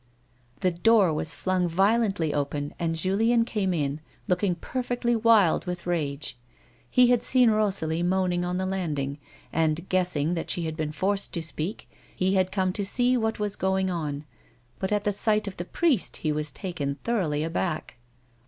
The door was flung violently open and Julien came in, looking perfectly wild with rage. He had seen Rosalie moaning on the landing, and guessing that she had been forced to speak, he had come to see what was going on ; but at the sight of the priest he was taken thoroughly aback.